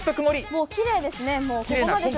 もうきれいですね。